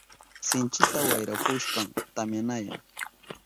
Sinchita wayrahushpan tamyanayan.